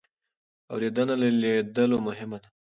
اورېدنه له لیدلو مهمه ده.